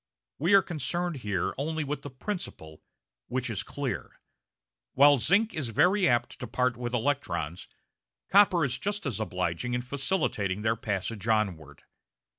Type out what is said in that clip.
We are concerned here only with the principle, which is clear. While zinc is very apt to part with electrons, copper is just as obliging in facilitating their passage onward.